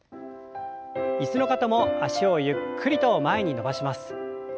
椅子の方も脚をゆっくりと前に伸ばします。